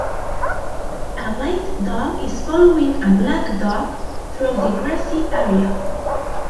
A white dog is following a black dog through the grassy area.